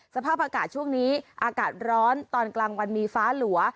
สภาพอากาศช่วงนี้อากาศร้อนตอนกลางวันมีฟ้าหลัว